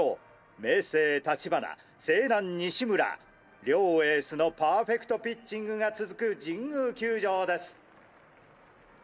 明青・立花勢南・西村両エースのパーフェクトピッチングが続く神宮球場です！